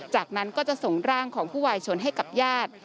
จากนั้นก็จะส่งร่างของผู้วายชนให้กับญาติ